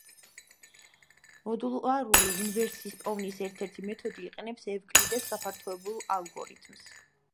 მოდულარული ინვერსის პოვნის ერთ-ერთი მეთოდი იყენებს ევკლიდეს გაფართოებული ალგორითმს.